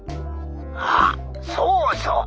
☎あっそうそう！